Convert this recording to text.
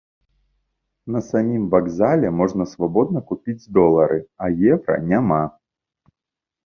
На самім вакзале можна свабодна купіць долары, а еўра няма.